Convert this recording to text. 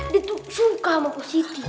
dia tuh suka sama kuci